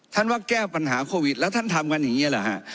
ว่าแก้ปัญหาโควิดแล้วท่านทำกันอย่างนี้เหรอฮะ